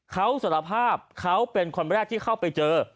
เขาสารภาพเขาเป็นคนแรกที่เข้าไปเจอ